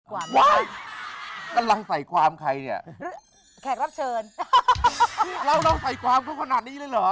แล้วเราใส่ความเขาขนาดนี้เลยเหรอ